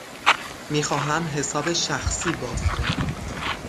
می خواهم حساب شخصی باز کنم.